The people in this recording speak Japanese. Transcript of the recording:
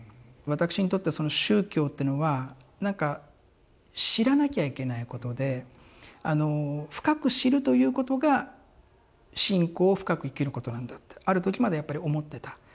私にとっては宗教っていうのは何か知らなきゃいけないことで深く知るということが信仰を深く生きることなんだってある時までやっぱり思ってた。